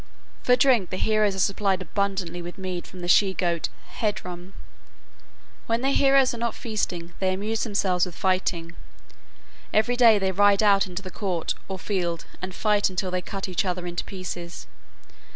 For drink the heroes are supplied abundantly with mead from the she goat Heidrum. When the heroes are not feasting they amuse themselves with fighting. Every day they ride out into the court or field and fight until they cut each other in pieces.